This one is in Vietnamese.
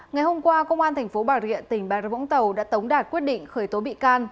ngày hôm qua công an tp bà rịa tỉnh bà rịa võng tàu đã tống đạt quyết định khởi tố bị can